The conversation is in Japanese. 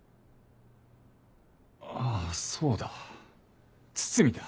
あぁそうだ。堤だ。